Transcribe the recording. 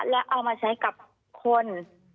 และเอามาใช้กับคน